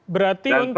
berarti untuk bisa